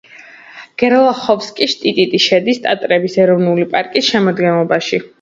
გერლახოვსკი-შტიტი შედის ტატრების ეროვნული პარკის შემადგენლობაში.